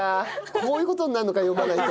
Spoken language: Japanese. こういう事になるのか読まないと。